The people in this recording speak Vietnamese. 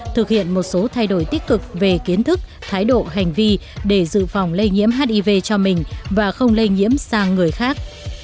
thực hiện một số thay đổi tích cực về kiến thức thái độ hành vi để dự phòng lây nhiễm hiv cho mình và không lây nhiễm sang người khác